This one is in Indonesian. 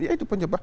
ya itu penyebabnya